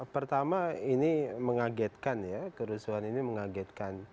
pertama ini mengagetkan ya kerusuhan ini mengagetkan